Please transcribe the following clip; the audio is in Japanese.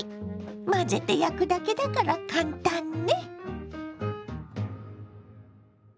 混ぜて焼くだけだから簡単ね。